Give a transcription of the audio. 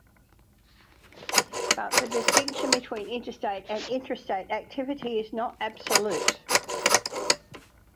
But the distinction between interstate and intrastate activity is not absolute.